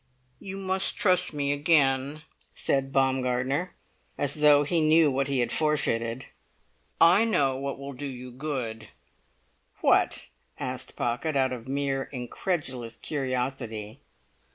"You must trust me again," said Baumgartner, as though he knew what he had forfeited. "I know what will do you good." "What?" asked Pocket, out of mere incredulous curiosity.